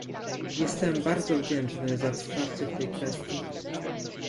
Jestem bardzo wdzięczny za wsparcie w tej kwestii